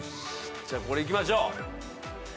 じゃあこれいきましょう！